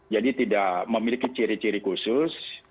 jadi tidak memiliki ciri ciri khusus